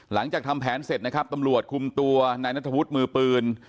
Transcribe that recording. หลังจากทำแผนเสร็จนะครับตำรวจคุมตัวนายนัทธวุฒิมือปืน